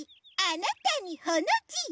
あなたにほのじ。